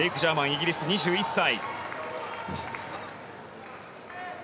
イギリス、２１歳。